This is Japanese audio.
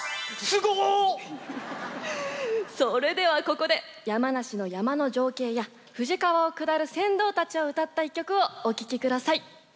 それではここで山梨の山の情景や富士川を下る船頭たちをうたった一曲をお聴き下さい。